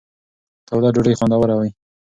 توده ډوډۍ خوندوره وي.